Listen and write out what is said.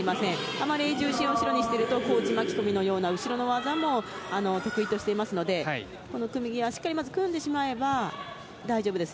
あまり重心を後ろにしていると小内巻き込みのような後ろの技も得意としていますので組み際にしっかり組めば大丈夫です。